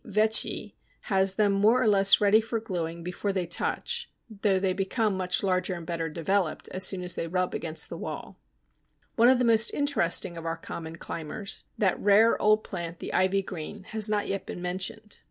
Veitchii_ has them more or less ready for gluing before they touch (though they become much larger and better developed as soon as they rub against the wall). Henslow, Origin of Plant Structures, p. 223. One of the most interesting of our common climbers, "that rare old plant the Ivy green," has not yet been mentioned.